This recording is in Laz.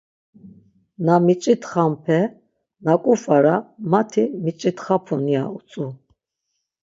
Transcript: Na miç̌itxampe naǩu fara mati miç̌itxapun, ya utzu.